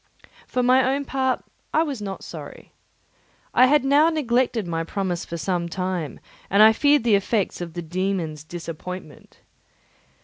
For my own part I was not sorry. I had now neglected my promise for some time, and I feared the effects of the dæmon's disappointment.